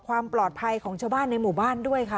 ความปลอดภัยของชาวบ้านในหมู่บ้านด้วยค่ะ